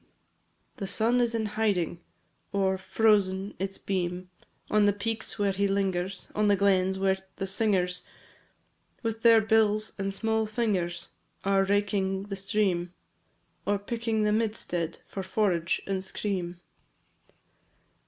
VI. The sun is in hiding, Or frozen its beam On the peaks where he lingers, On the glens, where the singers, With their bills and small fingers Are raking the stream, Or picking the midstead For forage and scream.